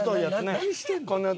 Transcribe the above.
何してんの？